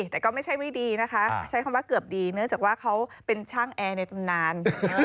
แต่ก็ไม่ใช่ไม่ดีนะคะใช้คำว่าเกือบดีเนื่องจากว่าเขาเป็นช่างแอร์ในตำนาน